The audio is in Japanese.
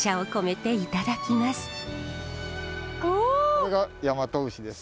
これが大和牛です。